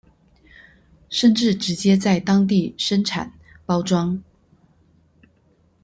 甚至直接在當地生產、包裝